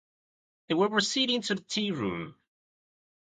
They were proceeding to the tearoom.